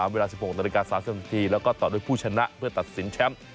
เวลา๑๖นาฬิกา๓๐นาทีแล้วก็ต่อด้วยผู้ชนะเพื่อตัดสินแชมป์